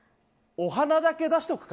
お花だけ出しておくか。